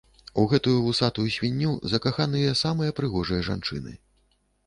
У гэтую вусатую свінню закаханыя самыя прыгожыя жанчыны.